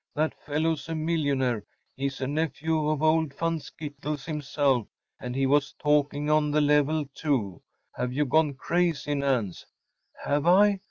That fellow’s a millionaire‚ÄĒhe‚Äôs a nephew of old Van Skittles himself. And he was talking on the level, too. Have you gone crazy, Nance?‚ÄĚ “Have I?